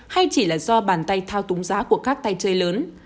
hay chỉ là do bàn tay thao túng giá của các tay chơi lớn